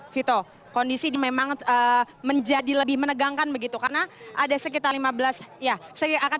vito kondisi memang menjadi lebih menegangkan begitu karena ada sekitar lima belas ya akan